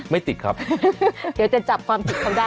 ไม่ติดครับเดี๋ยวจะจับความผิดเขาได้